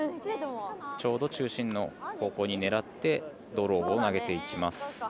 ちょうど中心の方向に狙ってドローを投げていきます。